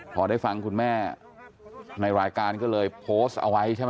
พอได้ฟังคุณแม่ในรายการก็เลยโพสต์เอาไว้ใช่ไหม